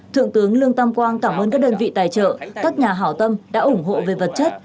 thượng tướng lương tam quang cảm ơn các đơn vị tài trợ các nhà hảo tâm đã ủng hộ về vật chất